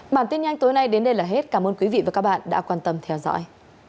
bản tin nhanh tối nay đến đây là hết cảm ơn quý vị và các bạn đã quan tâm theo dõi